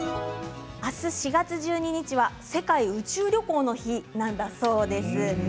明日４月１２日は世界宇宙旅行の日なんだそうです。